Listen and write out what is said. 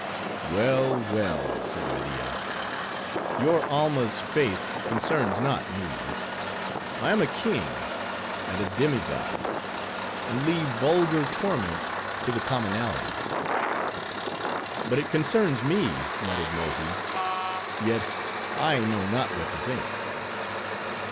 "Well, well," said Media, "your Alma's faith concerns not me: I am a king, and a demi god; and leave vulgar torments to the commonality." "But it concerns me," muttered Mohi; "yet I know not what to think."